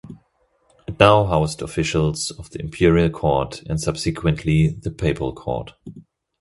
It now housed officials of the imperial court, and subsequently the papal court.